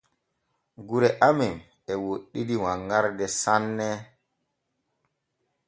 Gure amen e woɗɗidi wanŋarde sanne.